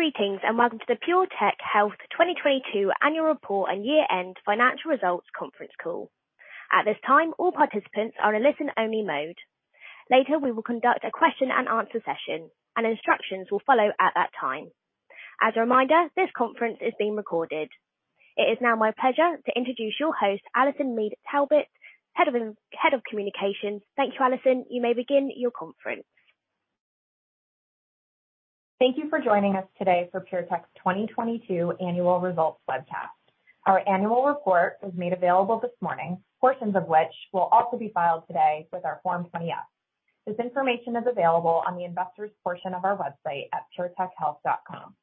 Greetings, welcome to the PureTech Health 2022 annual report and year-end financial results conference call. At this time, all participants are in listen-only mode. Later, we will conduct a question and answer session, instructions will follow at that time. As a reminder, this conference is being recorded. It is now my pleasure to introduce your host, Allison Mead Talbot, Head of Communications. Thank you, Allison. You may begin your conference. Thank you for joining us today for PureTech's 2022 annual results webcast. Our annual report was made available this morning, portions of which will also be filed today with our Form 20-F. This information is available on the investors' portion of our website at puretechhealth.com.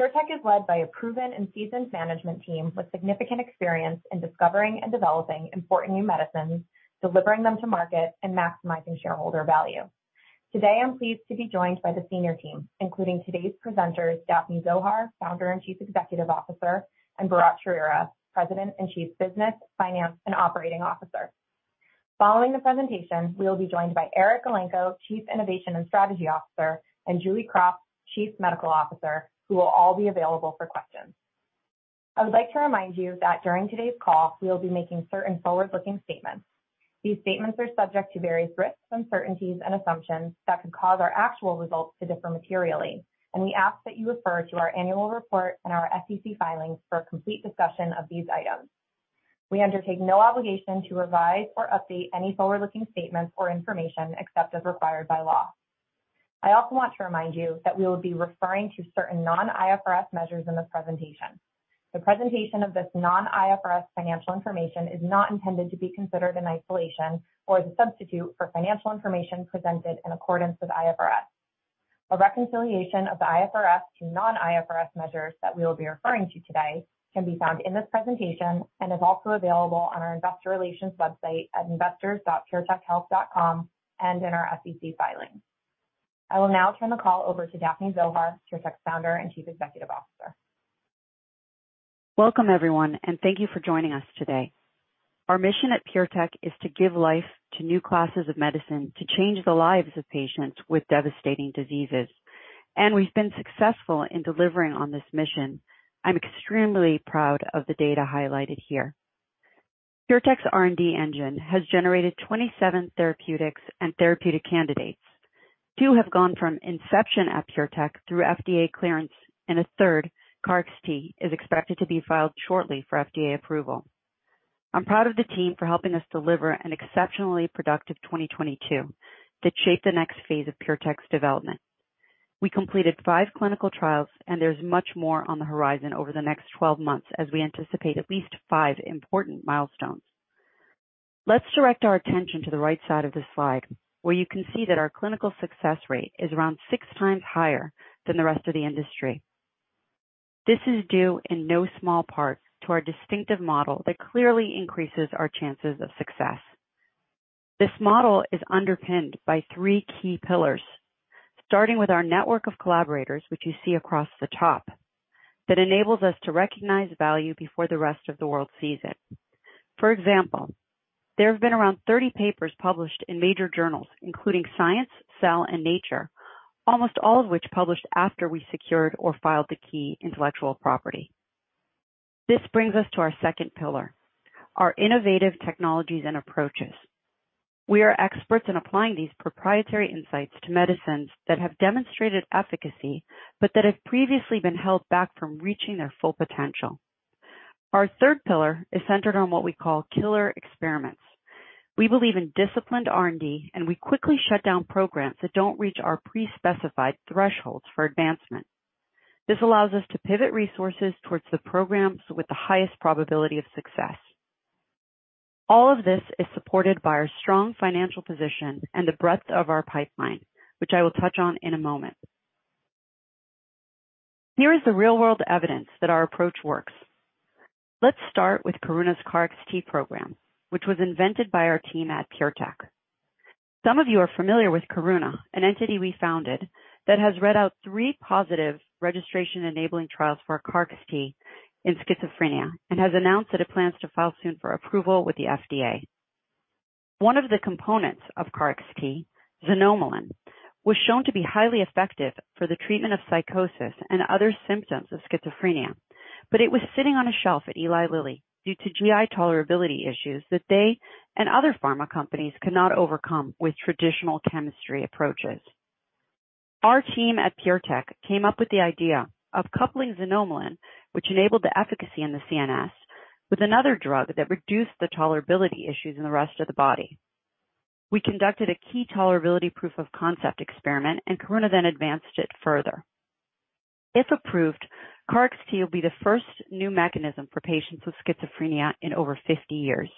PureTech is led by a proven and seasoned management team with significant experience in discovering and developing important new medicines, delivering them to market, and maximizing shareholder value. Today, I'm pleased to be joined by the senior team, including today's presenters, Daphne Zohar, Founder and Chief Executive Officer, and Bharatt Chowrira, President and Chief Business, Finance, and Operating Officer. Following the presentation, we will be joined by Eric Elenko, Chief Innovation and Strategy Officer, and Julie Krop, Chief Medical Officer, who will all be available for questions. I would like to remind you that during today's call, we will be making certain forward-looking statements. These statements are subject to various risks, uncertainties, and assumptions that could cause our actual results to differ materially, and we ask that you refer to our annual report and our SEC filings for a complete discussion of these items. We undertake no obligation to revise or update any forward-looking statements or information except as required by law. I also want to remind you that we will be referring to certain non-IFRS measures in this presentation. The presentation of this non-IFRS financial information is not intended to be considered in isolation or as a substitute for financial information presented in accordance with IFRS. A reconciliation of the IFRS to non-IFRS measures that we will be referring to today can be found in this presentation and is also available on our investor relations website at investors.puretechhealth.com and in our SEC filings. I will now turn the call over to Daphne Zohar, PureTech's Founder and Chief Executive Officer. Welcome, everyone, and thank you for joining us today. Our mission at PureTech is to give life to new classes of medicine to change the lives of patients with devastating diseases, and we've been successful in delivering on this mission. I'm extremely proud of the data highlighted here. PureTech's R&D engine has generated 27 therapeutics and therapeutic candidates. two have gone from inception at PureTech through FDA clearance, and a third, KarXT, is expected to be filed shortly for FDA approval. I'm proud of the team for helping us deliver an exceptionally productive 2022 that shaped the next phase of PureTech's development. We completed five clinical trials, and there's much more on the horizon over the next 12 months as we anticipate at least five important milestones. Let's direct our attention to the right side of this slide, where you can see that our clinical success rate is around six times higher than the rest of the industry. This is due in no small part to our distinctive model that clearly increases our chances of success. This model is underpinned by three key pillars, starting with our network of collaborators, which you see across the top, that enables us to recognize value before the rest of the world sees it. For example, there have been around 30 papers published in major journals, including Science, Cell, and Nature, almost all of which published after we secured or filed the key intellectual property. This brings us to our second pillar, our innovative technologies and approaches. We are experts in applying these proprietary insights to medicines that have demonstrated efficacy but that have previously been held back from reaching their full potential. Our third pillar is centered on what we call killer experiments. We believe in disciplined R&D, and we quickly shut down programs that don't reach our pre-specified thresholds for advancement. This allows us to pivot resources towards the programs with the highest probability of success. All of this is supported by our strong financial position and the breadth of our pipeline, which I will touch on in a moment. Here is the real-world evidence that our approach works. Let's start with Karuna's KarXT program, which was invented by our team at PureTech. Some of you are familiar with Karuna, an entity we founded that has read out three positive registration-enabling trials for KarXT in schizophrenia and has announced that it plans to file soon for approval with the FDA. One of the components of KarXT, xanomeline, was shown to be highly effective for the treatment of psychosis and other symptoms of schizophrenia, but it was sitting on a shelf at Eli Lilly due to GI tolerability issues that they and other pharma companies could not overcome with traditional chemistry approaches. Our team at PureTech came up with the idea of coupling xanomeline, which enabled the efficacy in the CNS, with another drug that reduced the tolerability issues in the rest of the body. We conducted a key tolerability proof of concept experiment, and Karuna then advanced it further. If approved, KarXT will be the first new mechanism for patients with schizophrenia in over 50 years.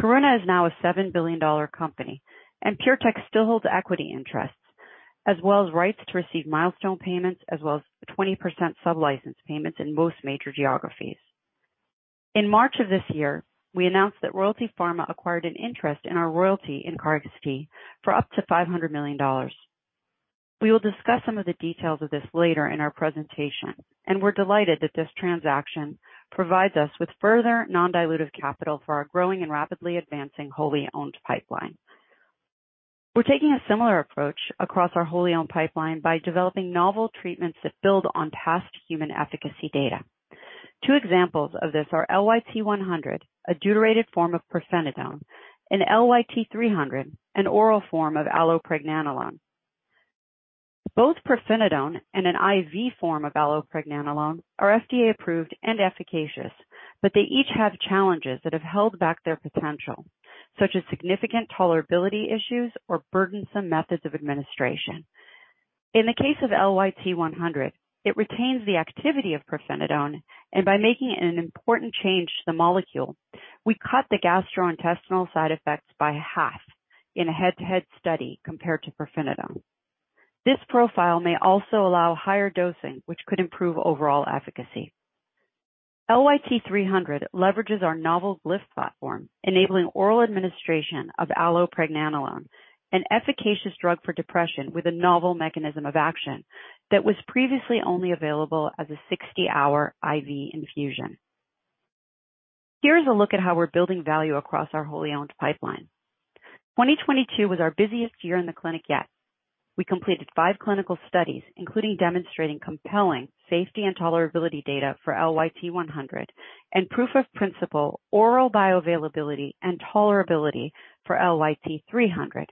Karuna is now a $7 billion company, and PureTech still holds equity interests as well as rights to receive milestone payments as well as 20% sub-license payments in most major geographies. In March of this year, we announced that Royalty Pharma acquired an interest in our royalty in KarXT for up to $500 million. We will discuss some of the details of this later in our presentation, and we're delighted that this transaction provides us with further non-dilutive capital for our growing and rapidly advancing wholly-owned pipeline. We're taking a similar approach across our wholly-owned pipeline by developing novel treatments that build on past human efficacy data. Two examples of this are LYT-100, a deuterated form of pirfenidone, and LYT-300, an oral form of allopregnanolone. Both pirfenidone and an IV form of allopregnanolone are FDA approved and efficacious. They each have challenges that have held back their potential, such as significant tolerability issues or burdensome methods of administration. In the case of LYT-100, it retains the activity of pirfenidone, and by making an important change to the molecule, we cut the gastrointestinal side effects by half in a head-to-head study compared to pirfenidone. This profile may also allow higher dosing, which could improve overall efficacy. LYT-300 leverages our novel Glyph platform, enabling oral administration of allopregnanolone, an efficacious drug for depression with a novel mechanism of action that was previously only available as a 60-hour IV infusion. Here's a look at how we're building value across our wholly-owned pipeline. 2022 was our busiest year in the clinic yet. We completed five clinical studies, including demonstrating compelling safety and tolerability data for LYT-100 and proof of principle oral bioavailability and tolerability for LYT-300.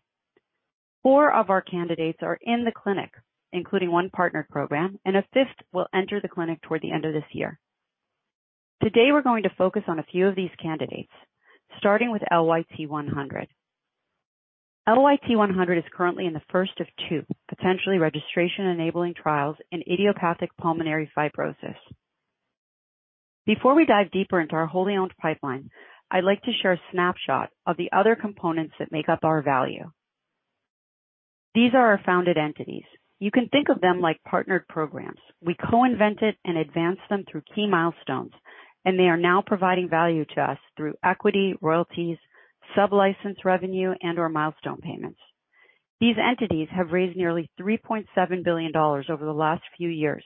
Four of our candidates are in the clinic, including one partner program, and a fifth will enter the clinic toward the end of this year. Today, we're going to focus on a few of these candidates, starting with LYT-100. LYT-100 is currently in the first of two potentially registration-enabling trials in idiopathic pulmonary fibrosis. Before we dive deeper into our wholly-owned pipeline, I'd like to share a snapshot of the other components that make up our value. These are our founded entities. You can think of them like partnered programs. We co-invented and advanced them through key milestones, and they are now providing value to us through equity, royalties, sublicense revenue, and/or milestone payments. These entities have raised nearly $3.7 billion over the last few years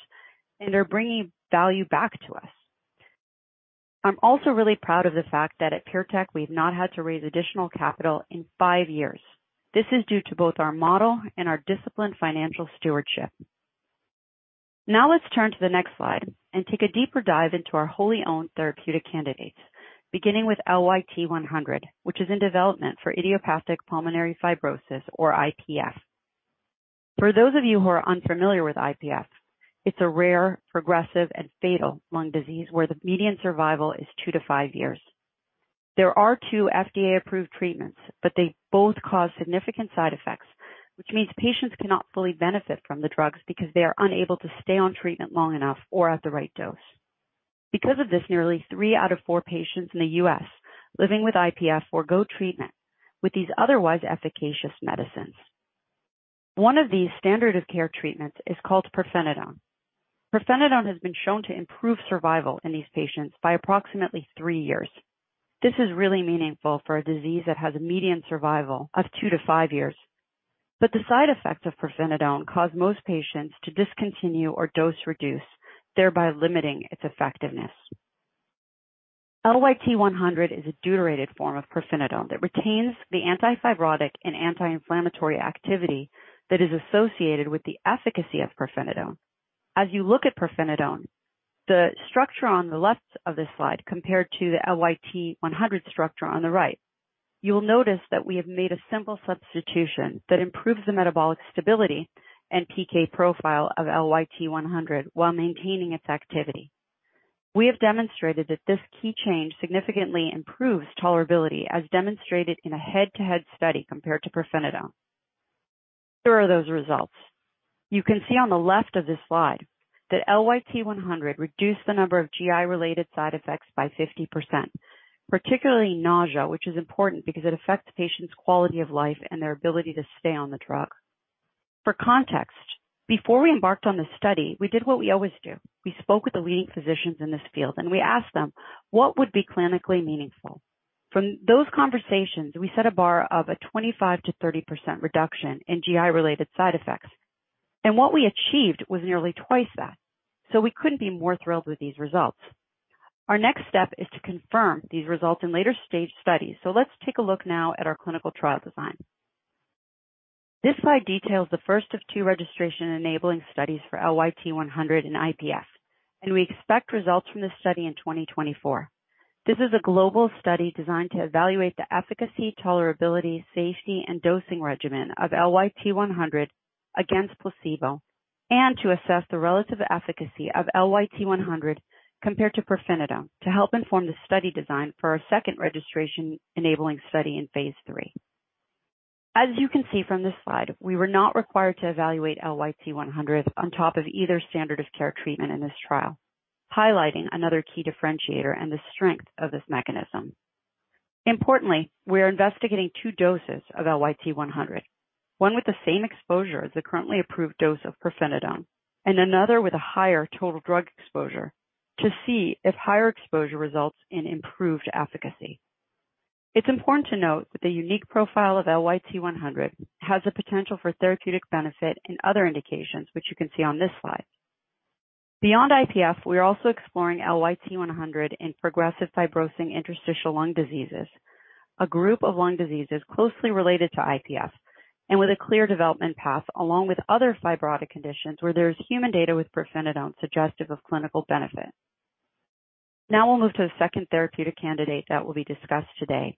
and are bringing value back to us. I'm also really proud of the fact that at PureTech we've not had to raise additional capital in five years. This is due to both our model and our disciplined financial stewardship. Let's turn to the next slide and take a deeper dive into our wholly-owned therapeutic candidates, beginning with LYT-100, which is in development for idiopathic pulmonary fibrosis or IPF. For those of you who are unfamiliar with IPF, it's a rare, progressive, and fatal lung disease where the median survival is two to five years. There are two FDA-approved treatments, they both cause significant side effects, which means patients cannot fully benefit from the drugs because they are unable to stay on treatment long enough or at the right dose. Because of this, nearly three out of four patients in the U.S. living with IPF forgo treatment with these otherwise efficacious medicines. One of these standard of care treatments is called pirfenidone. Pirfenidone has been shown to improve survival in these patients by approximately three years. This is really meaningful for a disease that has a median survival of 2-5 years. The side effects of pirfenidone cause most patients to discontinue or dose reduce, thereby limiting its effectiveness. LYT-100 is a deuterated form of pirfenidone that retains the anti-fibrotic and anti-inflammatory activity that is associated with the efficacy of pirfenidone. As you look at pirfenidone, the structure on the left of this slide compared to the LYT-100 structure on the right. You will notice that we have made a simple substitution that improves the metabolic stability and PK profile of LYT-100 while maintaining its activity. We have demonstrated that this key change significantly improves tolerability, as demonstrated in a head-to-head study compared to pirfenidone. Here are those results. You can see on the left of this slide that LYT-100 reduced the number of GI-related side effects by 50%, particularly nausea, which is important because it affects patients' quality of life and their ability to stay on the drug. For context, before we embarked on this study, we did what we always do. We spoke with the leading physicians in this field, and we asked them what would be clinically meaningful. From those conversations, we set a bar of a 25%-30% reduction in GI-related side effects, and what we achieved was nearly twice that. We couldn't be more thrilled with these results. Our next step is to confirm these results in later stage studies. Let's take a look now at our clinical trial design. This slide details the first of two registration enabling studies for LYT-100 in IPF, and we expect results from this study in 2024. This is a global study designed to evaluate the efficacy, tolerability, safety, and dosing regimen of LYT-100 against placebo and to assess the relative efficacy of LYT-100 compared to pirfenidone to help inform the study design for our second registration-enabling study in phase three. As you can see from this slide, we were not required to evaluate LYT-100 on top of either standard of care treatment in this trial, highlighting another key differentiator and the strength of this mechanism. Importantly, we are investigating two doses of LYT-100, one with the same exposure as the currently approved dose of pirfenidone and another with a higher total drug exposure to see if higher exposure results in improved efficacy. It's important to note that the unique profile of LYT-100 has the potential for therapeutic benefit in other indications, which you can see on this slide. Beyond IPF, we are also exploring LYT-100 in progressive fibrosing interstitial lung diseases, a group of lung diseases closely related to IPF and with a clear development path along with other fibrotic conditions where there is human data with prednisone suggestive of clinical benefit. We'll move to the second therapeutic candidate that will be discussed today.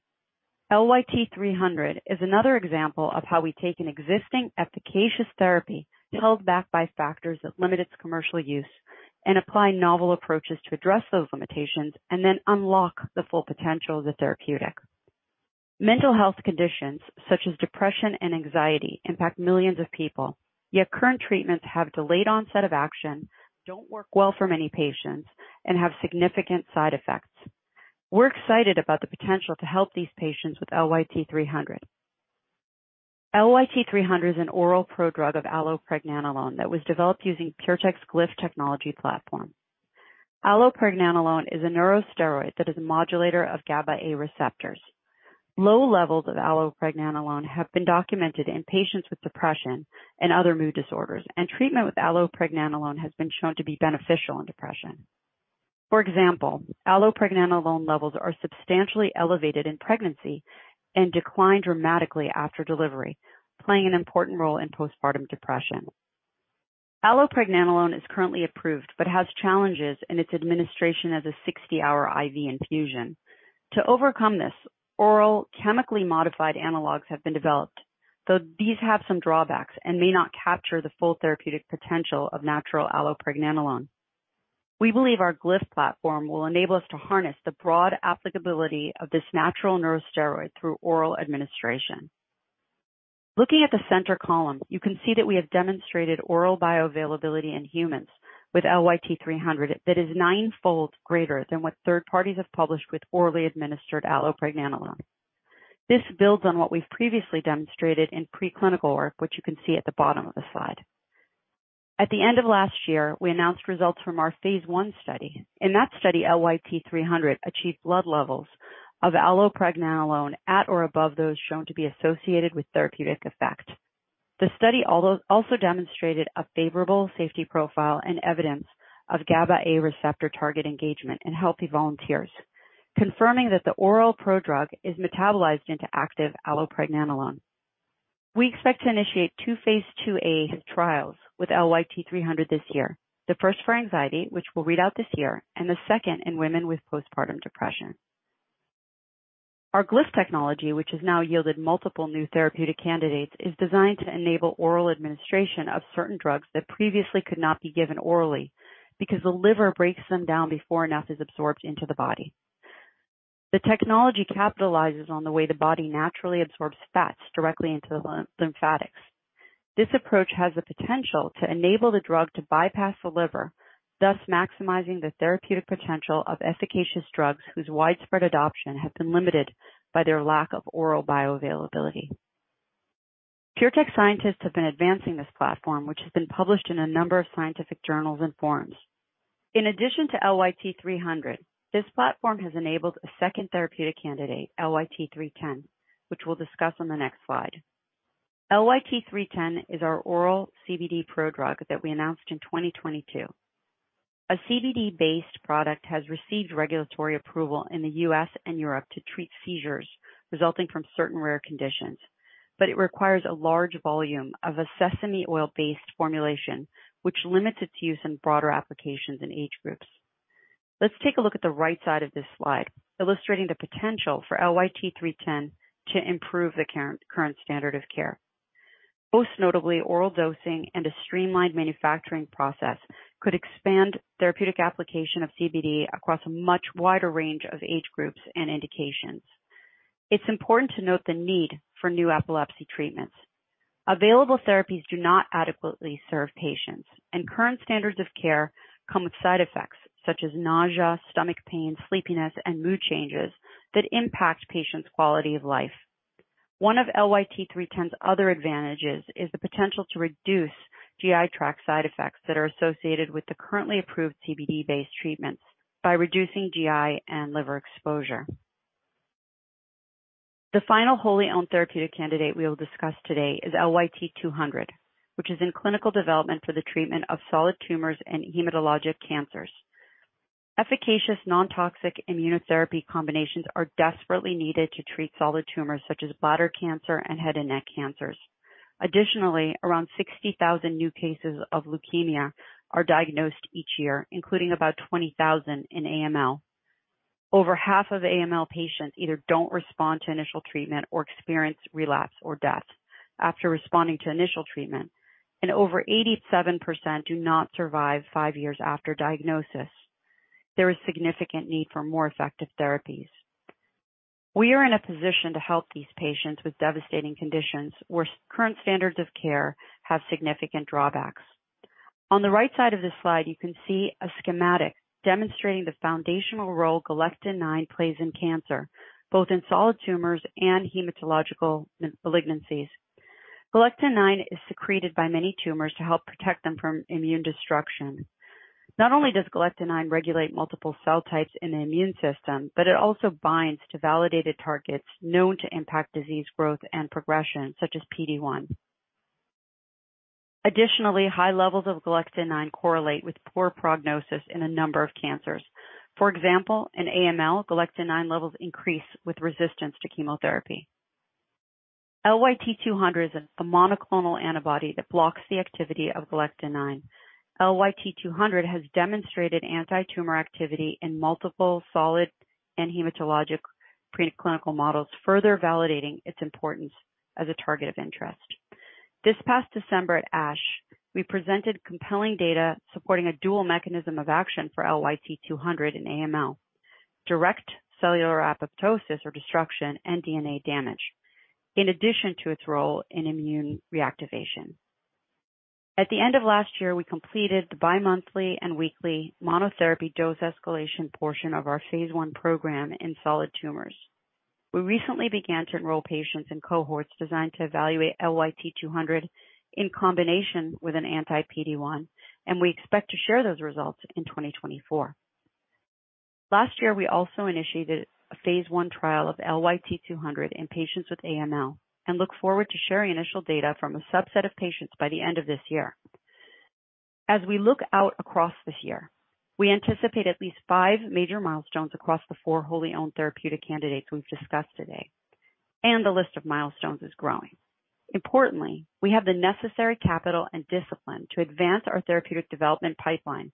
LYT-300 is another example of how we take an existing efficacious therapy held back by factors that limit its commercial use and apply novel approaches to address those limitations and then unlock the full potential of the therapeutic. Mental health conditions such as depression and anxiety impact millions of people, yet current treatments have delayed onset of action, don't work well for many patients, and have significant side effects. We're excited about the potential to help these patients with LYT-300. LYT-300 is an oral prodrug of allopregnanolone that was developed using PureTech's Glyph technology platform. Allopregnanolone is a neurosteroid that is a modulator of GABA A receptors. Low levels of allopregnanolone have been documented in patients with depression and other mood disorders. Treatment with allopregnanolone has been shown to be beneficial in depression. For example, allopregnanolone levels are substantially elevated in pregnancy and decline dramatically after delivery, playing an important role in postpartum depression. Allopregnanolone is currently approved but has challenges in its administration as a 60-hour IV infusion. To overcome this, oral chemically modified analogs have been developed, though these have some drawbacks and may not capture the full therapeutic potential of natural allopregnanolone. We believe our Glyph platform will enable us to harness the broad applicability of this natural neurosteroid through oral administration. Looking at the center column, you can see that we have demonstrated oral bioavailability in humans with LYT-300 that is 9-fold greater than what third parties have published with orally administered allopregnanolone. This builds on what we've previously demonstrated in preclinical work, which you can see at the bottom of the slide. At the end of last year, we announced results from our phase 1 study. In that study, LYT-300 achieved blood levels of allopregnanolone at or above those shown to be associated with therapeutic effect. The study also demonstrated a favorable safety profile and evidence of GABA A receptor target engagement in healthy volunteers, confirming that the oral prodrug is metabolized into active allopregnanolone. We expect to initiate two phase 2A trials with LYT-300 this year. The first for anxiety, which we'll read out this year. The second in women with postpartum depression. Our Glyph technology, which has now yielded multiple new therapeutic candidates, is designed to enable oral administration of certain drugs that previously could not be given orally because the liver breaks them down before enough is absorbed into the body. The technology capitalizes on the way the body naturally absorbs fts directly into the lymphatics. This approach has the potential to enable the drug to bypass the liver, thus maximizing the therapeutic potential of efficacious drugs whose widespread adoption have been limited by their lack of oral bioavailability. PureTech scientists have been advancing this platform, which has been published in a number of scientific journals and forums. In addition to LYT-300, this platform has enabled a second therapeutic candidate, LYT-310, which we'll discuss on the next slide. LYT-310 is our oral CBD prodrug that we announced in 2022. A CBD-based product has received regulatory approval in the U.S. and Europe to treat seizures resulting from certain rare conditions, but it requires a large volume of a sesame oil-based formulation, which limits its use in broader applications and age groups. Let's take a look at the right side of this slide, illustrating the potential for LYT-310 to improve the current standard of care. Most notably, oral dosing and a streamlined manufacturing process could expand therapeutic application of CBD across a much wider range of age groups and indications. It's important to note the need for new epilepsy treatments. Available therapies do not adequately serve patients, and current standards of care come with side effects such as nausea, stomach pain, sleepiness, and mood changes that impact patients' quality of life. One of LYT-310's other advantages is the potential to reduce GI tract side effects that are associated with the currently approved CBD-based treatments by reducing GI and liver exposure. The final wholly owned therapeutic candidate we will discuss today is LYT-200, which is in clinical development for the treatment of solid tumors and hematologic cancers. Efficacious non-toxic immunotherapy combinations are desperately needed to treat solid tumors such as bladder cancer and head and neck cancers. Additionally, around 60,000 new cases of leukemia are diagnosed each year, including about 20,000 in AML. Over half of AML patients either don't respond to initial treatment or experience relapse or death after responding to initial treatment, and over 87% do not survive 5 years after diagnosis. There is significant need for more effective therapies. We are in a position to help these patients with devastating conditions where current standards of care have significant drawbacks. On the right side of this slide, you can see a schematic demonstrating the foundational role galectin-9 plays in cancer, both in solid tumors and hematological malignancies. Galectin-9 is secreted by many tumors to help protect them from immune destruction. Not only does galectin-9 regulate multiple cell types in the immune system, but it also binds to validated targets known to impact disease growth and progression, such as PD-1. Additionally, high levels of galectin-9 correlate with poor prognosis in a number of cancers. For example, in AML, galectin-9 levels increase with resistance to chemotherapy. LYT 200 is a monoclonal antibody that blocks the activity of galectin-9. LYT 200 has demonstrated antitumor activity in multiple solid and hematologic preclinical models, further validating its importance as a target of interest. This past December at ASH, we presented compelling data supporting a dual mechanism of action for LYT 200 in AML, direct cellular apoptosis or destruction and DNA damage, in addition to its role in immune reactivation. At the end of last year, we completed the bi-monthly and weekly monotherapy dose escalation portion of our phase one program in solid tumors. We recently began to enroll patients in cohorts designed to evaluate LYT-200 in combination with an anti-PD-1. We expect to share those results in 2024. Last year, we also initiated a phase I trial of LYT-200 in patients with AML and look forward to sharing initial data from a subset of patients by the end of this year. As we look out across this year, we anticipate at least five major milestones across the four wholly-owned therapeutic candidates we've discussed today. The list of milestones is growing. Importantly, we have the necessary capital and discipline to advance our therapeutic development pipeline,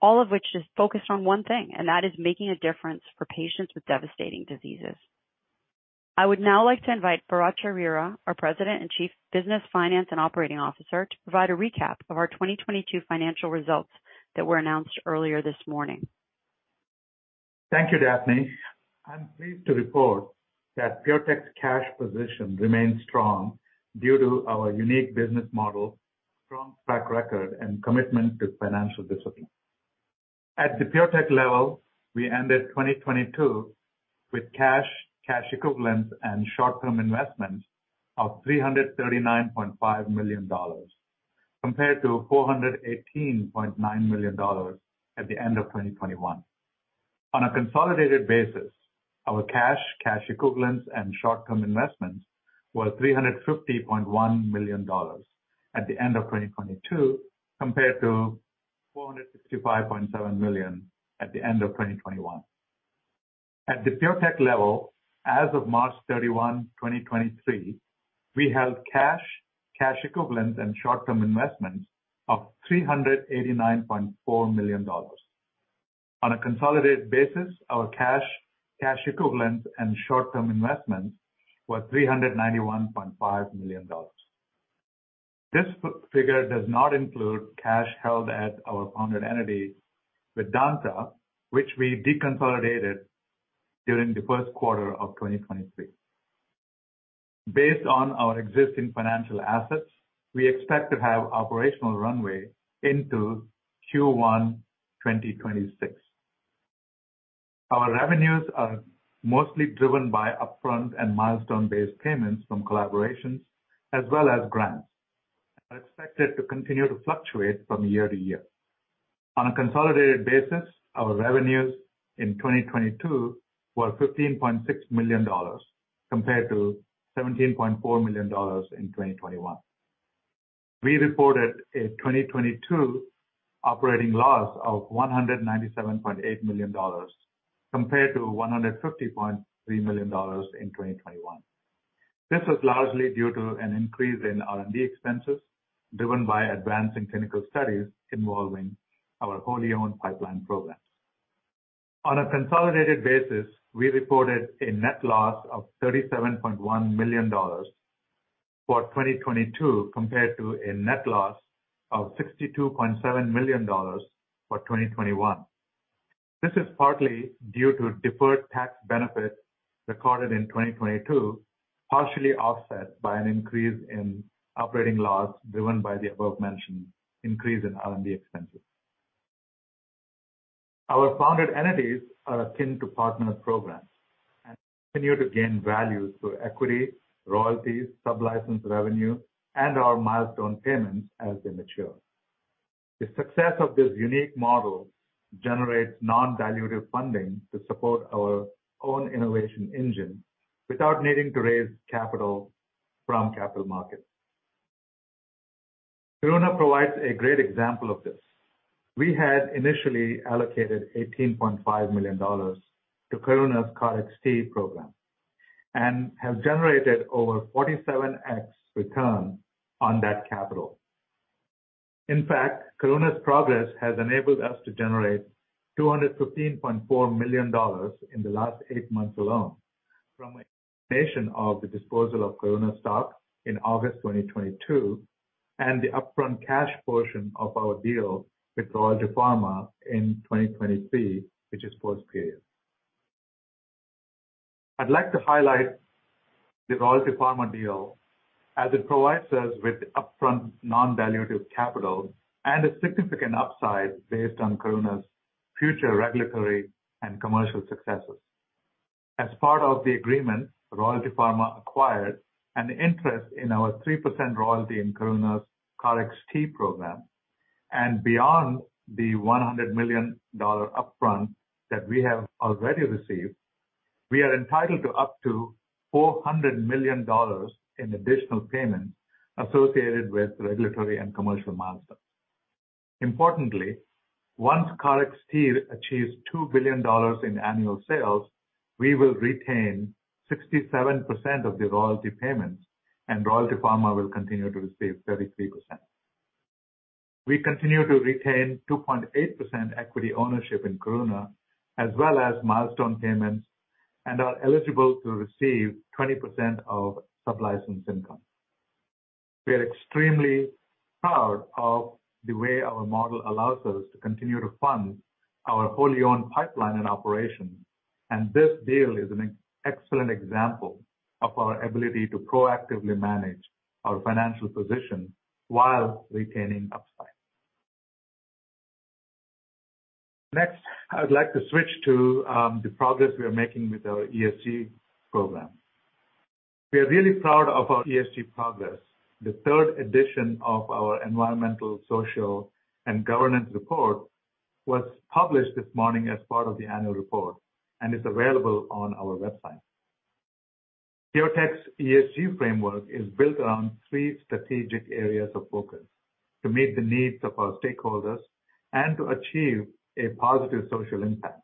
all of which is focused on one thing, and that is making a difference for patients with devastating diseases. I would now like to invite Bharatt Chowrira, our President and Chief Business, Finance, and Operating Officer, to provide a recap of our 2022 financial results that were announced earlier this morning. Thank you, Daphne. I'm pleased to report that PureTech's cash position remains strong due to our unique business model, strong track record, and commitment to financial discipline. At the PureTech level, we ended 2022 with cash equivalents, and short-term investments of $339.5 million compared to $418.9 million at the end of 2021. On a consolidated basis, our cash equivalents, and short-term investments were $350.1 million at the end of 2022, compared to $465.7 million at the end of 2021. At the PureTech level, as of March 31st, 2023, we held cash equivalents, and short-term investments of $389.4 million. On a consolidated basis, our cash equivalents, and short-term investments were $391.5 million. This figure does not include cash held at our funded entity, Vedanta, which we deconsolidated during the first quarter of 2023. Based on our existing financial assets, we expect to have operational runway into Q1 2026. Our revenues are mostly driven by upfront and milestone-based payments from collaborations as well as grants, are expected to continue to fluctuate from year to year. On a consolidated basis, our revenues in 2022 were $15.6 million compared to $17.4 million in 2021. We reported a 2022 operating loss of $197.8 million compared to $150.3 million in 2021. This is largely due to an increase in R&D expenses driven by advancing clinical studies involving our wholly owned pipeline programs. On a consolidated basis, we reported a net loss of $37.1 million for 2022 compared to a net loss of $62.7 million for 2021. This is partly due to deferred tax benefits recorded in 2022, partially offset by an increase in operating loss driven by the above-mentioned increase in R&D expenses. Our funded entities are akin to partner programs and continue to gain value through equity, royalties, sub-license revenue, and our milestone payments as they mature. The success of this unique model generates non-dilutive funding to support our own innovation engine without needing to raise capital from capital markets. Karuna provides a great example of this. We had initially allocated $18.5 million to Karuna's KarXT program and have generated over 47x return on that capital. In fact, Karuna's progress has enabled us to generate $215.4 million in the last eight months alone from a combination of the disposal of Karuna stock in August 2022 and the upfront cash portion of our deal with Royalty Pharma in 2023, which is post-paid. I'd like to highlight the Royalty Pharma deal as it provides us with upfront non-dilutive capital and a significant upside based on Karuna's future regulatory and commercial successes. As part of the agreement, Royalty Pharma acquired an interest in our 3% royalty in Karuna's KarXT program. Beyond the $100 million upfront that we have already received. We are entitled to up to $400 million in additional payments associated with regulatory and commercial milestones. Importantly, once KarXT achieves $2 billion in annual sales, we will retain 67% of the royalty payments, and Royalty Pharma will continue to receive 33%. We continue to retain 2.8% equity ownership in Karuna, as well as milestone payments, and are eligible to receive 20% of sublicense income. We are extremely proud of the way our model allows us to continue to fund our wholly-owned pipeline and operations, and this deal is an excellent example of our ability to proactively manage our financial position while retaining upside. Next, I would like to switch to the progress we are making with our ESG program. We are really proud of our ESG progress. The third edition of our environmental, social, and governance report was published this morning as part of the annual report and is available on our website. PureTech's ESG framework is built around three strategic areas of focus to meet the needs of our stakeholders and to achieve a positive social impact.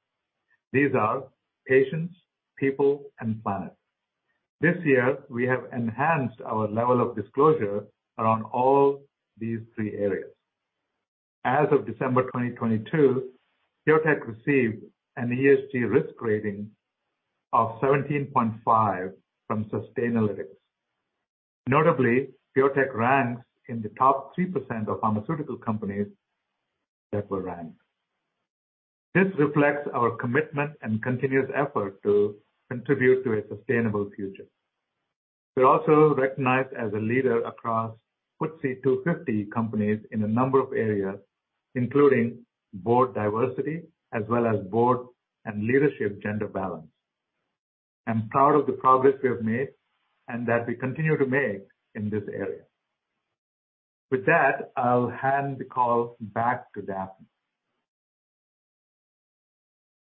These are patients, people, and planet. This year, we have enhanced our level of disclosure around all these 3 areas. As of December 2022, PureTech received an ESG risk rating of 17.5 from Sustainalytics. Notably, PureTech ranks in the top 3% of pharmaceutical companies that were ranked. This reflects our commitment and continuous effort to contribute to a sustainable future. We're also recognized as a leader across FTSE 250 companies in a number of areas, including board diversity as well as board and leadership gender balance. I'm proud of the progress we have made and that we continue to make in this area. With that, I'll hand the call back to Daphne.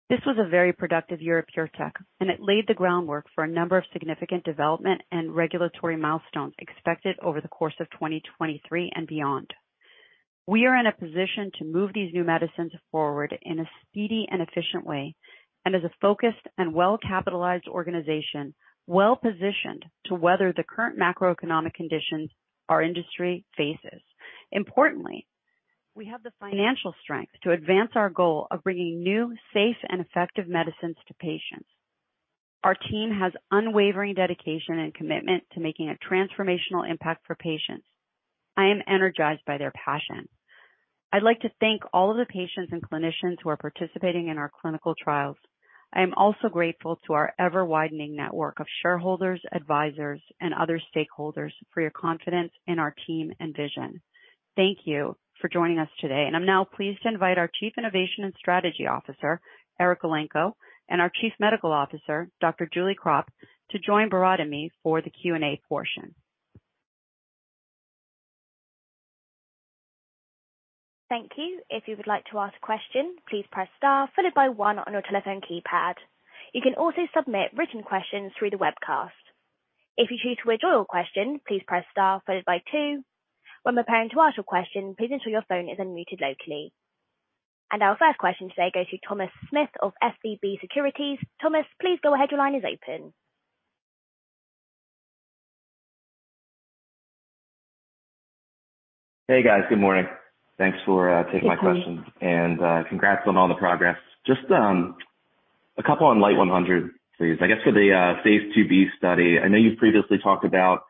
This was a very productive year at PureTech. It laid the groundwork for a number of significant development and regulatory milestones expected over the course of 2023 and beyond. We are in a position to move these new medicines forward in a speedy and efficient way. As a focused and well-capitalized organization, well-positioned to weather the current macroeconomic conditions our industry faces. Importantly, we have the financial strength to advance our goal of bringing new, safe, and effective medicines to patients. Our team has unwavering dedication and commitment to making a transformational impact for patients. I am energized by their passion. I'd like to thank all of the patients and clinicians who are participating in our clinical trials. I am also grateful to our ever-widening network of shareholders, advisors, and other stakeholders for your confidence in our team and vision. Thank you for joining us today. I'm now pleased to invite our Chief Innovation and Strategy Officer, Eric Elenko, and our Chief Medical Officer, Dr. Julie Krop, to join Bharat and me for the Q&A portion. Thank you. If you would like to ask a question, please press star followed by one on your telephone keypad. You can also submit written questions through the webcast. If you choose to withdraw your question, please press star followed by two. When preparing to ask your question, please ensure your phone is unmuted locally. Our first question today goes to Thomas Smith of SVB Securities. Thomas, please go ahead. Your line is open. Hey, guys. Good morning. Thanks for. Good morning. -taking my questions. Congrats on all the progress. Just a couple on LYT-100 please. I guess for the phase 2b study, I know you've previously talked about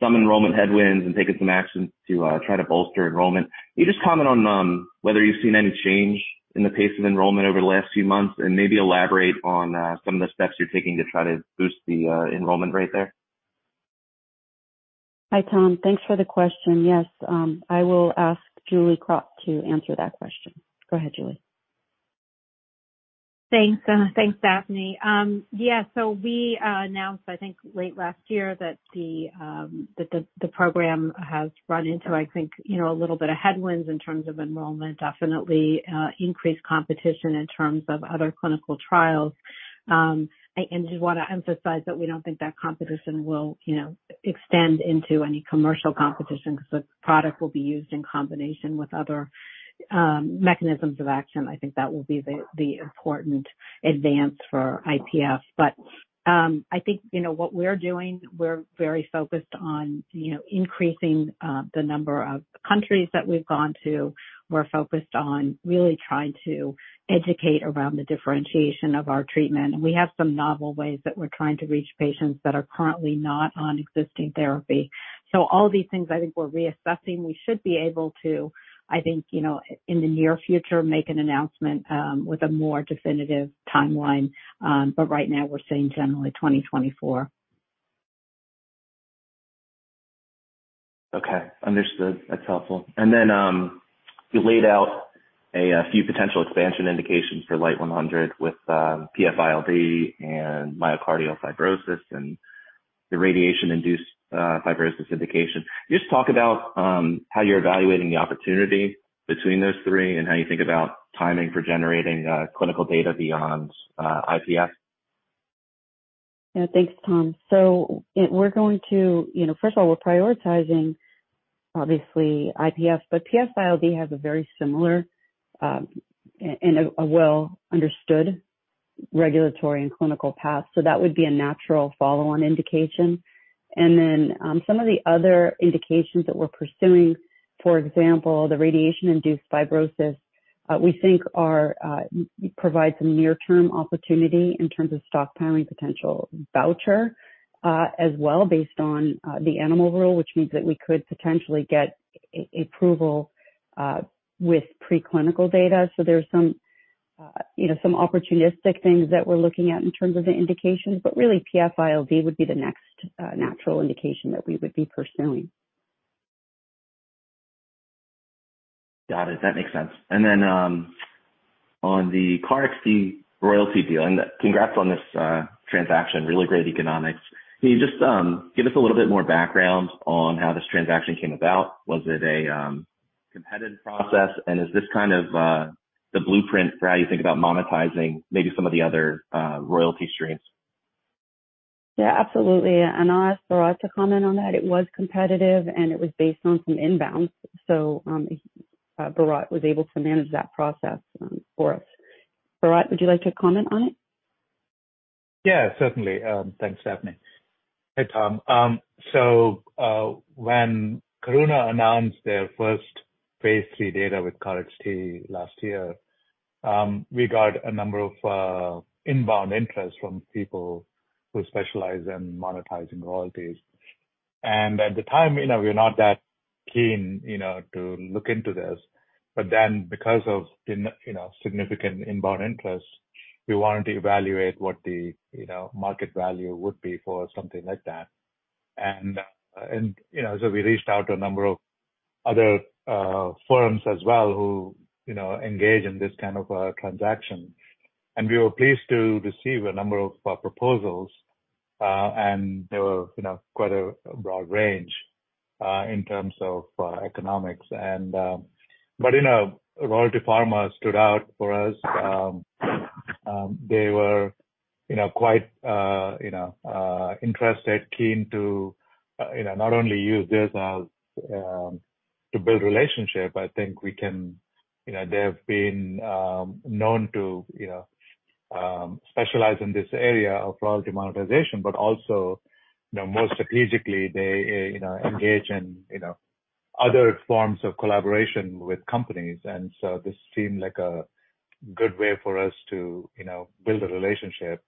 some enrollment headwinds and taking some actions to try to bolster enrollment. Can you just comment on whether you've seen any change in the pace of enrollment over the last few months and maybe elaborate on some of the steps you're taking to try to boost the enrollment rate there? Hi, Tom. Thanks for the q estion. Yes, I will ask Julie Krop to answer that question. Go ahead, Julie. Thanks. Thanks, Daphne. Yeah. We announced, I think late last year that the, that the program has run into, I think, you know, a little bit of headwinds in terms of enrollment, definitely, increased competition in terms of other clinical trials. I just wanna emphasize that we don't think that competition will, you know, extend into any commercial competition 'cause the product will be used in combination with other mechanisms of action. I think that will be the important advance for IPF. I think, you know, what we're doing, we're very focused on, you know, increasing the number of countries that we've gone to. We're focused on really trying to educate around the differentiation of our treatment. We have some novel ways that we're trying to reach patients that are currently not on existing therapy. All these things I think we're reassessing. We should be able to, I think, you know, in the near future, make an announcement, with a more definitive timeline. Right now we're saying generally 2024. Okay. Understood. That's helpful. You laid out a few potential expansion indications for LYT-100 with PF-ILD and myocardial fibrosis and the radiation-induced fibrosis indication. Can you just talk about how you're evaluating the opportunity between those three and how you think about timing for generating clinical data beyond IPF? Yeah. Thanks, Tom. We're going to, you know, first of all, we're prioritizing obviously IPF, but PF-ILD has a very similar and a well-understood regulatory and clinical path. That would be a natural follow-on indication. Some of the other indications that we're pursuing, for example, the radiation-induced fibrosis, we think are provides some near-term opportunity in terms of stockpiling potential voucher as well based on the Animal Rule, which means that we could potentially get approval with preclinical data. There's some, you know, some opportunistic things that we're looking at in terms of the indications, but really PF-ILD would be the next natural indication that we would be pursuing. Got it. That makes sense. Then, on the KarXT royalty deal, and congrats on this transaction, really great economics. Can you just give us a little bit more background on how this transaction came about? Was it a competitive process? Is this kind of the blueprint for how you think about monetizing maybe some of the other royalty streams? Yeah, absolutely. I'll ask Bharatt to comment on that. It was competitive, and it was based on some inbound. Bharatt was able to manage that process for us. Bharatt, would you like to comment on it? Yeah, certainly. Thanks, Daphne. Hey, Tom. When Karuna announced their first phase III data with KarXT last year, we got a number of inbound interest from people who specialize in monetizing royalties. At the time, you know, we're not that keen, you know, to look into this. Because of the, you know, significant inbound interest, we wanted to evaluate what the, you know, market value would be for something like that. We reached out to a number of other firms as well who, you know, engage in this kind of a transaction. We were pleased to receive a number of proposals, and there were, you know, quite a broad range in terms of economics and. You know, Royalty Pharma stood out for us. They were, you know, quite, you know, interested, keen to, you know, not only use this as to build relationship. I think we can, you know, they've been known to, you know, specialize in this area of royalty monetization, but also, you know, more strategically they, you know, engage in, you know, other forms of collaboration with companies. This seemed like a good way for us to, you know, build a relationship.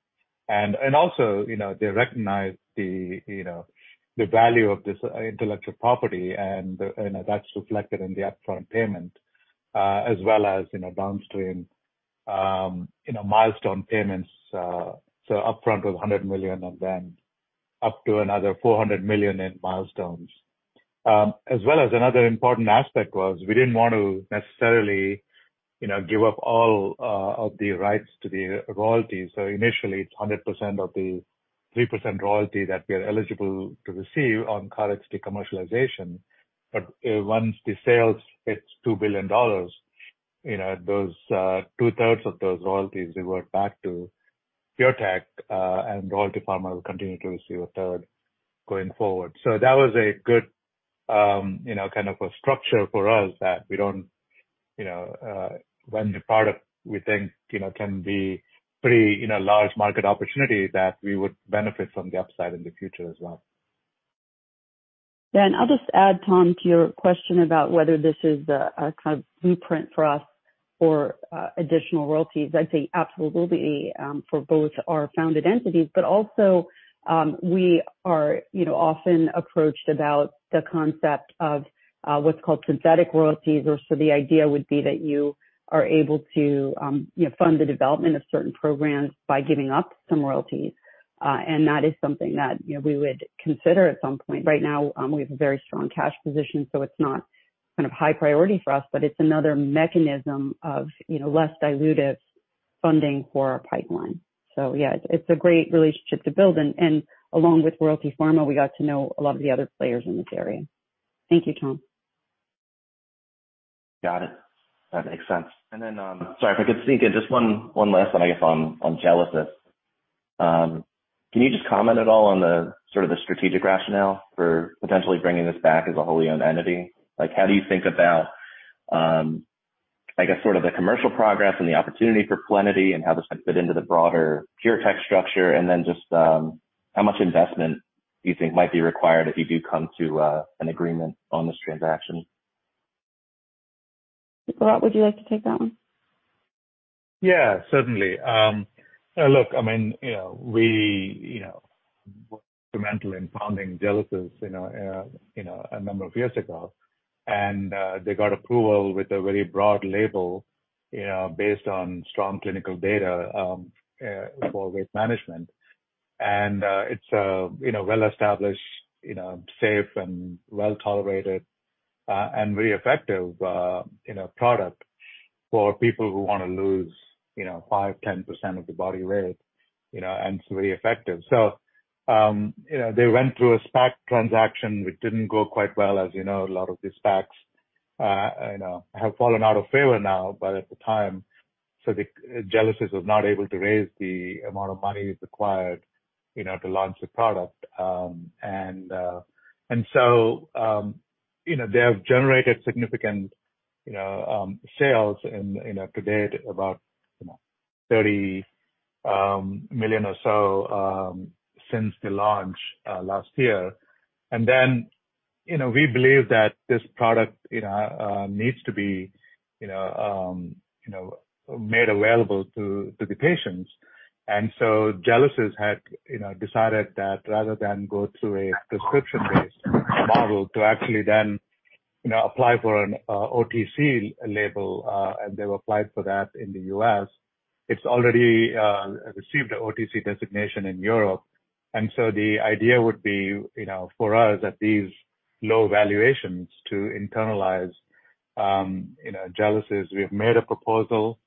Also, you know, they recognize the, you know, the value of this intellectual property and that's reflected in the upfront payment as well as, you know, downstream, you know, milestone payments. Upfront was $100 million and then up to another $400 million in milestones. As well as another important aspect was we didn't want to necessarily, you know, give up all of the rights to the royalties. Initially, it's 100% of the 3% royalty that we are eligible to receive on KarXT commercialization. Once the sales hits $2 billion, you know, those two-thirds of those royalties revert back to PureTech, and Royalty Pharma will continue to receive a third going forward. That was a good, you know, kind of a structure for us that we don't, you know, when the product, we think, you know, can be pretty, you know, large market opportunity that we would benefit from the upside in the future as well. Yeah. I'll just add, Tom, to your question about whether this is a kind of blueprint for us for additional royalties. I'd say absolutely, for both our founded entities, but also, we are, you know, often approached about the concept of what's called synthetic royalties or so the idea would be that you are able to, you know, fund the development of certain programs by giving up some royalties. That is something that, you know, we would consider at some point. Right now, we have a very strong cash position, it's not kind of high priority for us, but it's another mechanism of, you know, less dilutive funding for our pipeline. Yeah, it's a great relationship to build and along with Royalty Pharma, we got to know a lot of the other players in this area. Thank you, Tom. Got it. That makes sense. Then, sorry if I could sneak in just one last one, I guess, on Gelesis. Can you just comment at all on the sort of the strategic rationale for potentially bringing this back as a wholly owned entity? Like how do you think about, I guess, sort of the commercial progress and the opportunity for Plenity and how this might fit into the broader PureTech structure? Then just, how much investment do you think might be required if you do come to an agreement on this transaction? Bharat, would you like to take that one? Yeah, certainly. Look, I mean, you know, we, you know, were instrumental in founding Gelesis, you know, a number of years ago. They got approval with a very broad label, you know, based on strong clinical data for weight management. It's a, you know, well-established, you know, safe and well-tolerated and very effective, you know, product. For people who want to lose, you know, 5, 10% of their body weight, you know, and it's very effective. You know, they went through a SPAC transaction, which didn't go quite well. As you know, a lot of these SPACs, you know, have fallen out of favor now. At the time, the Gelesis was not able to raise the amount of money it required, you know, to launch the product. You know, they have generated significant, you know, sales to date about $30 million or so since the launch last year. You know, we believe that this product, you know, needs to be, you know, made available to the patients. Gelesis had, you know, decided that rather than go through a prescription-based model to actually then, you know, apply for an OTC label, and they've applied for that in the US. It's already received a OTC designation in Europe. The idea would be, you know, for us at these low valuations to internalize, you know, Gelesis. We've made a proposal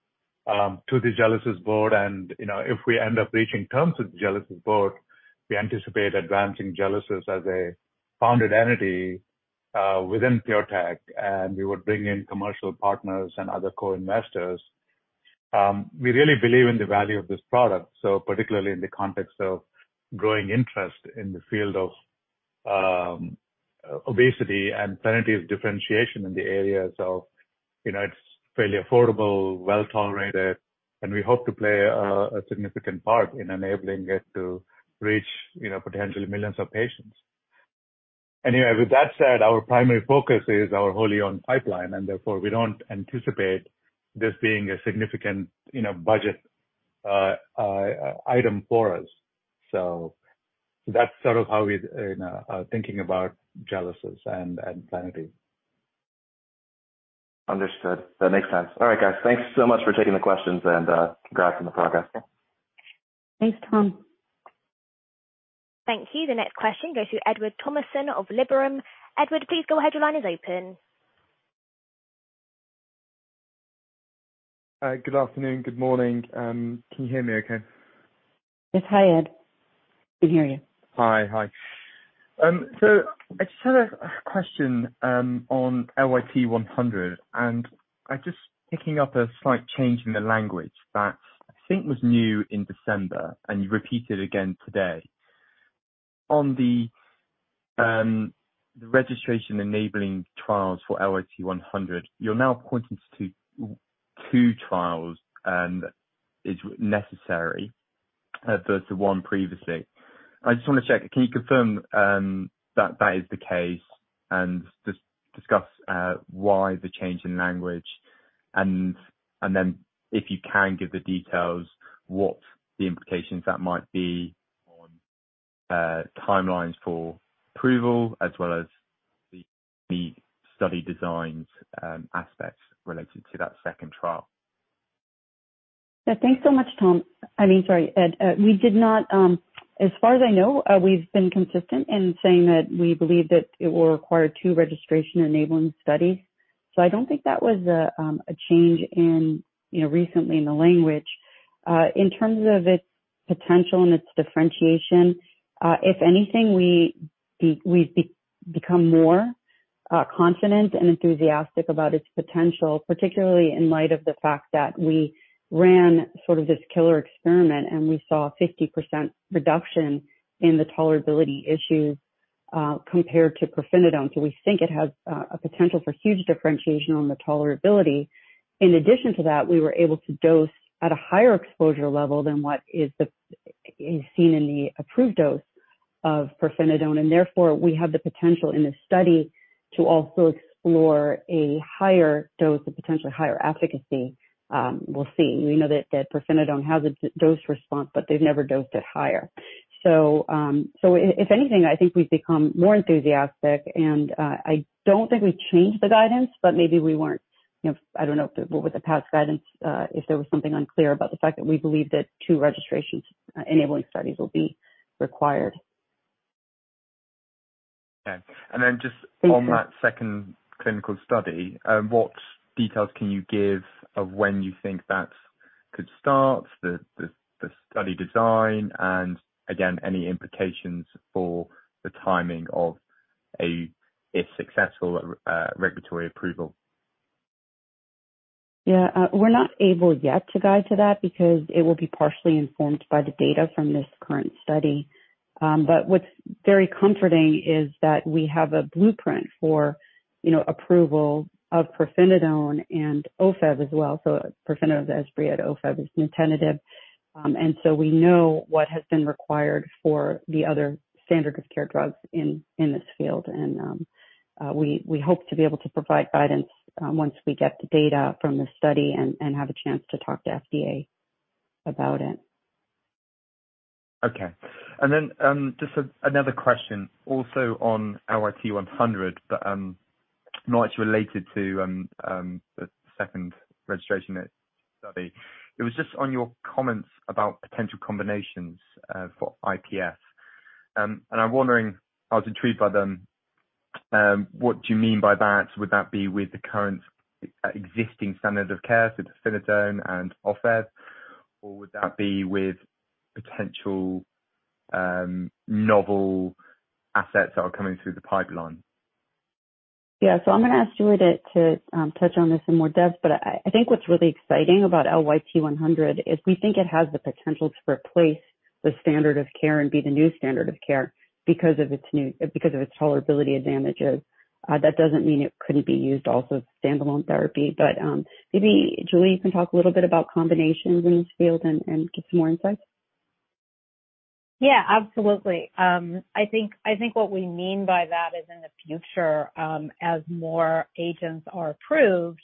to the Gelesis board. You know, if we end up reaching terms with the Gelesis board, we anticipate advancing Gelesis as a founded entity within PureTech, and we would bring in commercial partners and other co-investors. We really believe in the value of this product. Particularly in the context of growing interest in the field of obesity and Plenity's differentiation in the areas of, you know, it's fairly affordable, well-tolerated, and we hope to play a significant part in enabling it to reach, you know, potentially millions of patients. Anyway, with that said, our primary focus is our wholly owned pipeline, and therefore we don't anticipate this being a significant, you know, budget item for us. That's sort of how we, you know, are thinking about Gelesis and Plenity. Understood. That makes sense. All right, guys, thanks so much for taking the questions and congrats on the progress. Thanks, Tom. Thank you. The next question goes to Edward Thomason of Liberum. Edward, please go ahead. Your line is open. Good afternoon. Good morning. Can you hear me okay? Yes. Hi, Ed. We hear you. Hi. Hi. I just had a question on LYT-100. I'm just picking up a slight change in the language that I think was new in December. You repeated again today. The registration enabling trials for LYT-100, you're now pointing to two trials is necessary versus one previously. I just want to check. Can you confirm that that is the case and just discuss why the change in language? If you can give the details, what the implications that might be on timelines for approval as well as the study designs aspects related to that second trial. Thanks so much, Tom. I mean, sorry, Ed. We did not. As far as I know, we've been consistent in saying that we believe that it will require two registration enabling studies. I don't think that was a change in, you know, recently in the language. In terms of its potential and its differentiation, if anything, we become more confident and enthusiastic about its potential, particularly in light of the fact that we ran sort of this killer experiment, and we saw 50% reduction in the tolerability issues compared to pirfenidone. We think it has a potential for huge differentiation on the tolerability. In addition to that, we were able to dose at a higher exposure level than what is seen in the approved dose of pirfenidone, and therefore we have the potential in this study to also explore a higher dose with potentially higher efficacy. We'll see. We know that pirfenidone has a dose response, but they've never dosed it higher. If anything, I think we've become more enthusiastic, and I don't think we've changed the guidance, but maybe we weren't, you know, I don't know if, with the past guidance, if there was something unclear about the fact that we believe that two registrations enabling studies will be required. Okay. Thank you. Just on that second clinical study, what details can you give of when you think that could start, the study design, and again, any implications for the timing of a, if successful, regulatory approval? Yeah. We're not able yet to guide to that because it will be partially informed by the data from this current study. But what's very comforting is that we have a blueprint for, you know, approval of pirfenidone and OFEV as well. pirfenidone is Esbriet duone is nintedanib. We know what has been required for the other standard of care drugs in this field. We hope to be able to provide guidance once we get the data from the study and have a chance to talk to FDA about it. Okay. Just another question also on LYT-100, but not related to the second registration study. It was just on your comments about potential combinations for IPF. I'm wondering, I was intrigued by the What do you mean by that? Would that be with the current existing standard of care, so filgotinib and OFEV? Would that be with potential novel assets that are coming through the pipeline? Yeah. I'm gonna ask Julie to touch on this in more depth, but I think what's really exciting about LYT-100 is we think it has the potential to replace the standard of care and be the new standard of care because of its tolerability advantages. That doesn't mean it couldn't be used also as standalone therapy, but maybe Julie can talk a little bit about combinations in this field and give some more insight. Yeah, absolutely. I think what we mean by that is in the future, as more agents are approved,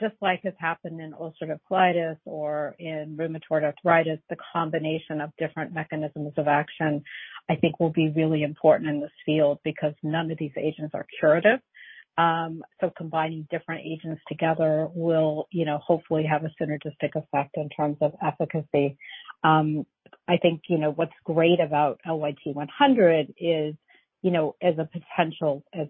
just like has happened in ulcerative colitis or in rheumatoid arthritis, the combination of different mechanisms of action, I think will be really important in this field because none of these agents are curative. Combining different agents together will, you know, hopefully have a synergistic effect in terms of efficacy. I think, you know, what's great about LYT-100 is, you know, as a potential, as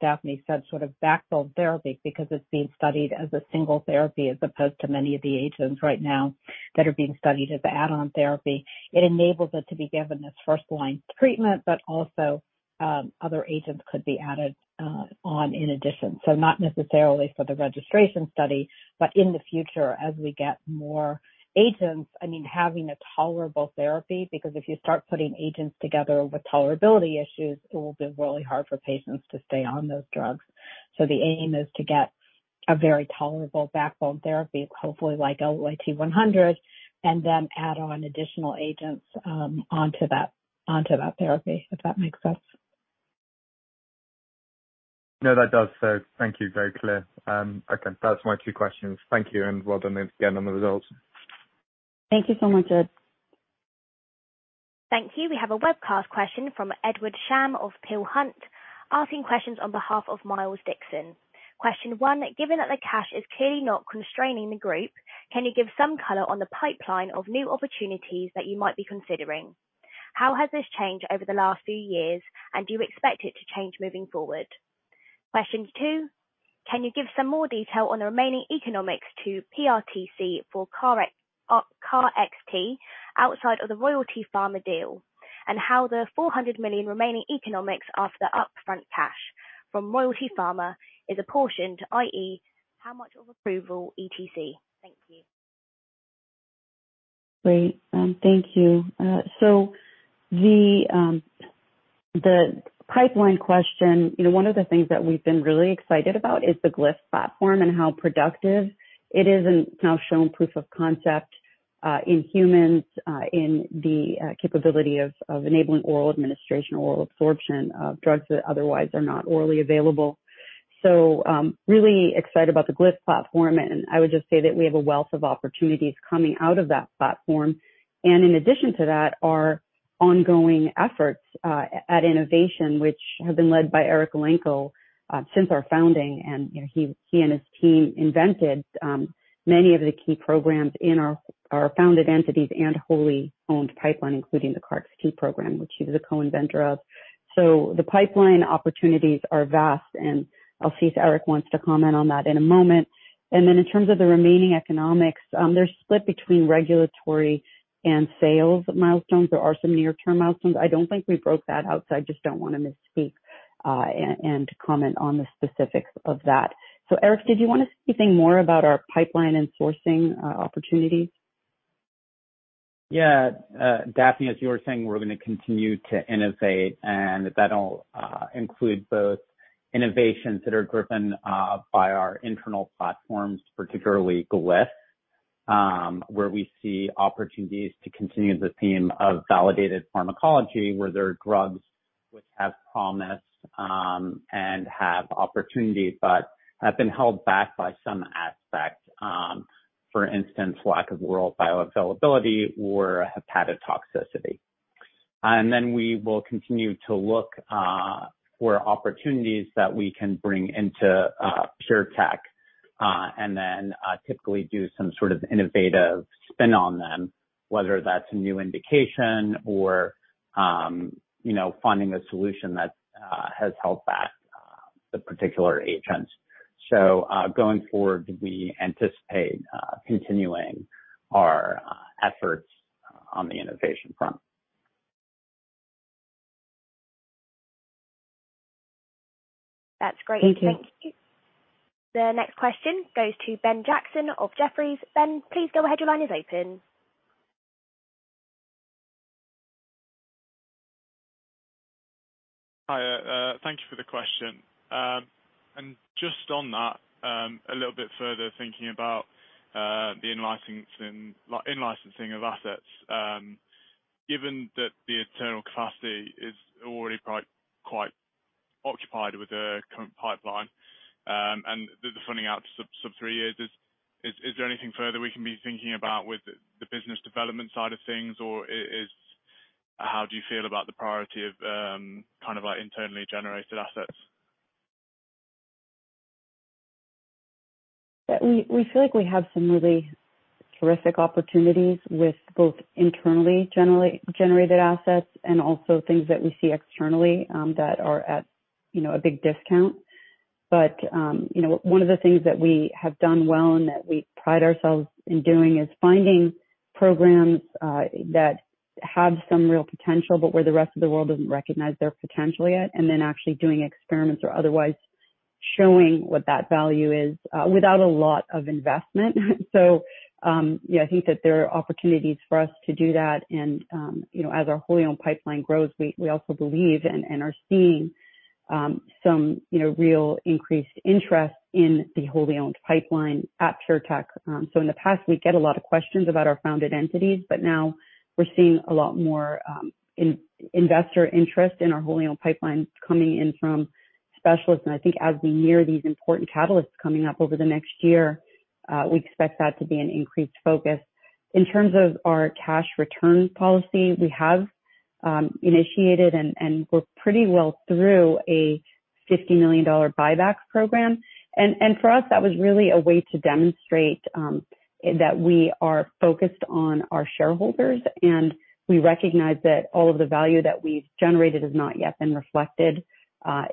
Daphne said, sort of backbone therapy because it's being studied as a single therapy as opposed to many of the agents right now that are being studied as add-on therapy. It enables it to be given as first line treatment, but also, other agents could be added on in addition. Not necessarily for the registration study, but in the future as we get more agents. I mean, having a tolerable therapy, because if you start putting agents together with tolerability issues, it will be really hard for patients to stay on those drugs. The aim is to get a very tolerable backbone therapy, hopefully like LYT-100, and then add on additional agents, onto that therapy, if that makes sense. No, that does. Thank you. Very clear. Okay, that's my two questions. Thank you, and well done again on the results. Thank you so much, Ed. Thank you. We have a webcast question from Edward Sham of Peel Hunt, asking questions on behalf of Miles Dixon. Question one, given that the cash is clearly not constraining the group, can you give some color on the pipeline of new opportunities that you might be considering? How has this changed over the last few years, and do you expect it to change moving forward? Question two, can you give some more detail on the remaining economics to PRTC for KarXT outside of the Royalty Pharma deal, and how the $400 million remaining economics after the upfront cash from Royalty Pharma is apportioned, i.e., how much of approval ETC? Thank you. Great. Thank you. The pipeline question, you know, one of the things that we've been really excited about is the Glyph platform and how productive it is and now shown proof of concept in humans in the capability of enabling oral administration, oral absorption of drugs that otherwise are not orally available. Really excited about the Glyph platform, and I would just say that we have a wealth of opportunities coming out of that platform. In addition to that, our ongoing efforts at innovation, which have been led by Eric Elenko since our founding, you know, he and his team invented many of the key programs in our founded entities and wholly owned pipeline, including the KarXT program, which he's a co-inventor of. The pipeline opportunities are vast, and I'll see if Eric wants to comment on that in a moment. In terms of the remaining economics, they're split between regulatory and sales milestones. There are some near-term milestones. I don't think we broke that out, so I just don't wanna misspeak, and comment on the specifics of that. Eric, did you want to say more about our pipeline and sourcing opportunities? Daphne, as you were saying, we're gonna continue to innovate, and that'll include both innovations that are driven by our internal platforms, particularly Glyph, where we see opportunities to continue the theme of validated pharmacology, where there are drugs which have promise and have opportunities, but have been held back by some aspect. For instance, lack of oral bioavailability or hepatotoxicity. We will continue to look for opportunities that we can bring into PureTech and then typically do some sort of innovative spin on them, whether that's a new indication or, you know, finding a solution that has held back the particular agents. Going forward, we anticipate continuing our efforts on the innovation front. That's great. Thank you. Thank you. The next question goes to Benjamin Jackson of Jefferies. Ben, please go ahead. Your line is open. Hi. Thank you for the question. Just on that, a little bit further thinking about the in-licensing of assets, given that the internal capacity is already quite occupied with the current pipeline, and the funding out to sub-3 years, is there anything further we can be thinking about with the business development side of things? How do you feel about the priority of kind of like internally generated assets? Yeah, we feel like we have some really terrific opportunities with both internally generated assets and also things that we see externally that are at, you know, a big discount. You know, one of the things that we have done well and that we pride ourselves in doing is finding programs that have some real potential, but where the rest of the world doesn't recognize their potential yet, and then actually doing experiments or otherwise showing what that value is without a lot of investment. Yeah, I think that there are opportunities for us to do that and, you know, as our wholly-owned pipeline grows, we also believe and are seeing some, you know, real increased interest in the wholly-owned pipeline at PureTech. In the past, we get a lot of questions about our founded entities, but now we're seeing a lot more investor interest in our wholly-owned pipelines coming in from specialists. I think as we near these important catalysts coming up over the next year, we expect that to be an increased focus. In terms of our cash return policy, we have initiated and we're pretty well through a $50 million buyback program. For us, that was really a way to demonstrate that we are focused on our shareholders, and we recognize that all of the value that we've generated has not yet been reflected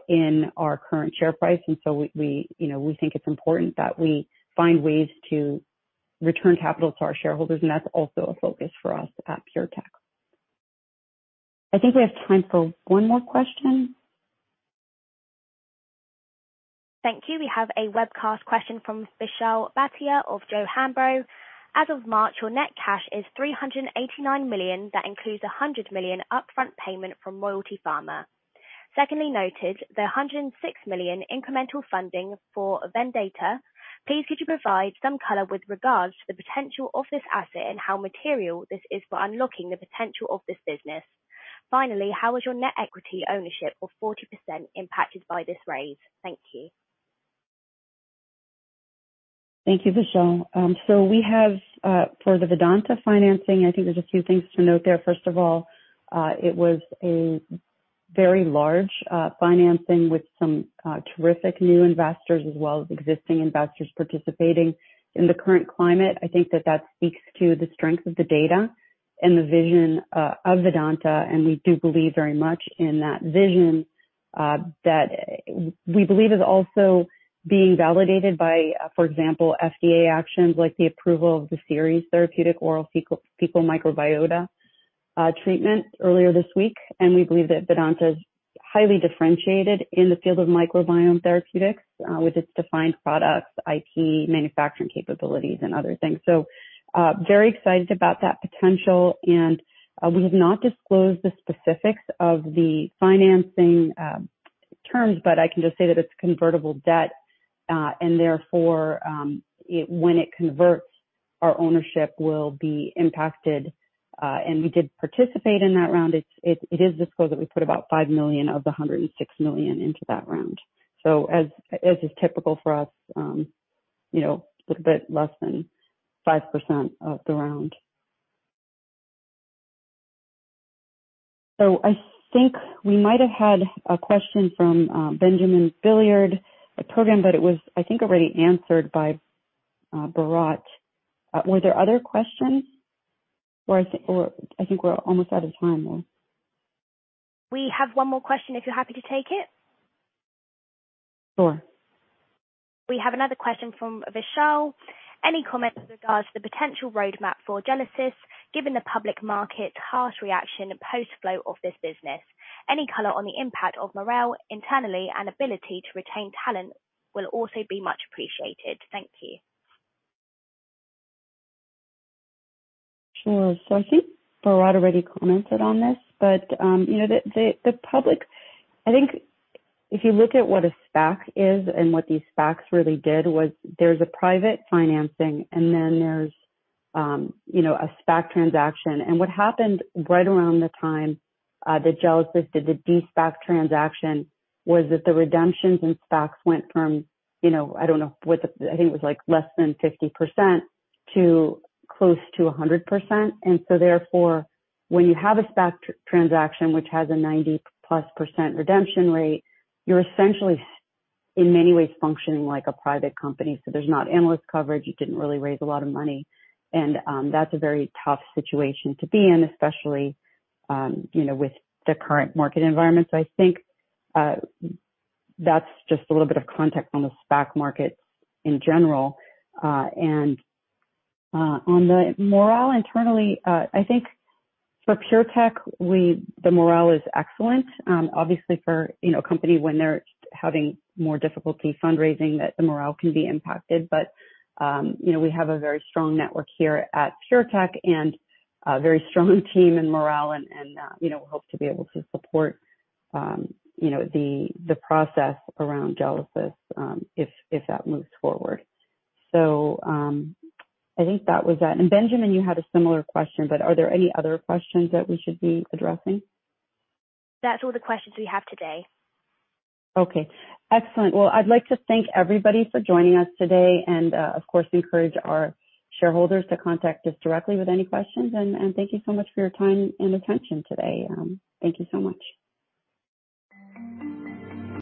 in our current share price. We, you know, we think it's important that we find ways to return capital to our shareholders, and that's also a focus for us at PureTech. I think we have time for one more question. Thank you. We have a webcast question from Vishal Bhatia of Joh. Hambro. As of March, your net cash is $389 million. That includes a $100 million upfront payment from Royalty Pharma. Secondly, noted the $106 million incremental funding for Vedanta. Please could you provide some color with regards to the potential of this asset and how material this is for unlocking the potential of this business. Finally, how is your net equity ownership of 40% impacted by this raise? Thank you. Thank you, Vishal. We have for the Vedanta financing, I think there's a few things to note there. First of all, it was a very large financing with some terrific new investors as well as existing investors participating. In the current climate, I think that that speaks to the strength of the data and the vision of Vedanta, and we do believe very much in that vision that we believe is also being validated by, for example, FDA actions like the approval of the Seres Therapeutics oral fecal microbiota treatment earlier this week. We believe that Vedanta is highly differentiated in the field of microbiome therapeutics with its defined products, IP, manufacturing capabilities, and other things. Very excited about that potential. We have not disclosed the specifics of the financing terms, but I can just say that it's convertible debt, and therefore, when it converts, our ownership will be impacted. We did participate in that round. It is disclosed that we put about $5 million of the $106 million into that round. As is typical for us, you know, a little bit less than 5% of the round. I think we might have had a question from Benjamin Billiard, a program, but it was, I think, already answered by Bharatt. Were there other questions? I think we're almost out of time. We have one more question if you're happy to take it. Sure. We have another question from Vishal. Any comments with regards to the potential roadmap for Gelesis, given the public market harsh reaction post-flow of this business? Any color on the impact of morale internally and ability to retain talent will also be much appreciated. Thank you. Sure. I think Bharat already commented on this, but, you know, the public... I think if you look at what a SPAC is and what these SPACs really did was there's a private financing and then there's, you know, a SPAC transaction. What happened right around the time that Gelesis did the de-SPAC transaction was that the redemptions and SPACs went from, you know, I don't know what I think it was like less than 50% to close to 100%. Therefore, when you have a SPAC transaction which has a 90-plus% redemption rate, you're essentially in many ways functioning like a private company. There's not analyst coverage. You didn't really raise a lot of money. That's a very tough situation to be in, especially, you know, with the current market environment. I think that's just a little bit of context on the SPAC markets in general. On the morale internally, I think for PureTech, the morale is excellent. Obviously for, you know, a company when they're having more difficulty fundraising that the morale can be impacted. You know, we have a very strong network here at PureTech and a very strong team and morale and, you know, hope to be able to support, you know, the process around Gelesis, if that moves forward. I think that was that. Benjamin, you had a similar question, but are there any other questions that we should be addressing? That's all the questions we have today. Okay. Excellent. Well, I'd like to thank everybody for joining us today and, of course, encourage our shareholders to contact us directly with any questions. Thank you so much for your time and attention today. Thank you so much.